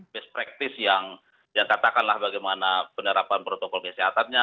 best practice yang katakanlah bagaimana penerapan protokol kesehatannya